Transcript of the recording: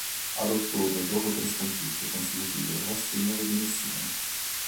Ad ottobre dopo tre sconfitte consecutive rassegna le dimissioni.